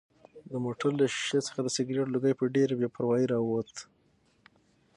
د موټر له ښیښې څخه د سګرټ لوګی په ډېرې بې پروایۍ راووت.